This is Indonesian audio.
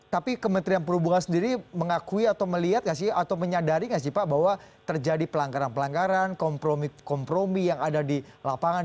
tapi kementerian perhubungan sendiri mengakui atau melihat nggak sih atau menyadari nggak sih pak bahwa terjadi pelanggaran pelanggaran kompromi kompromi yang ada di lapangan